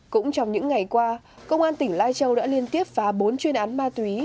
cũng trong những ngày qua công an tỉnh lai châu đã liên tiếp phá bốn chuyên án ma túy